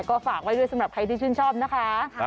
ก็ฝากไว้ด้วยสำหรับใครที่ชื่นชอบนะคะ